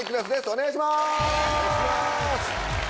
お願いします。